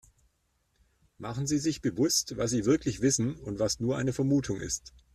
Machen Sie sich bewusst, was sie wirklich wissen und was nur eine Vermutung ist.